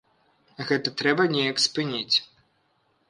Гэта трэба неяк спыніць.